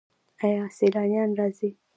آیا سیلانیان راځي؟